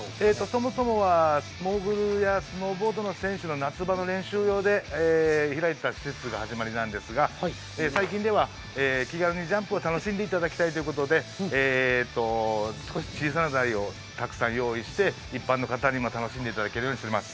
そもそもはモーグルやスノーボードの選手が開いていた施設が始まりなんですが最近では気軽にジャンプを楽しんでいただきたいということで少し小さな台をたくさん用意して、一般の方にも楽しんでいただけるようにしています。